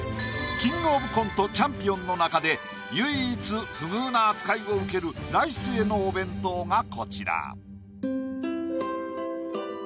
キングオブコントチャンピオンの中で唯一不遇な扱いを受けるライスへのお弁当がこちら。